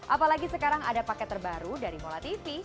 apalagi sekarang ada paket terbaru dari mola tv